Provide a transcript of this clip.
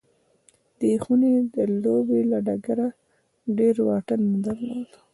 دې خونې د لوبې له ډګره ډېر واټن نه درلود